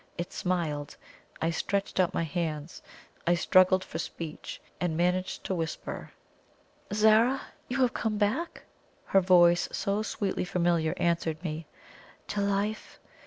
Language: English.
It smiled. I stretched out my hands; I struggled for speech, and managed to whisper: "Zara, Zara! you have come back!" Her voice, so sweetly familiar, answered me: "To life?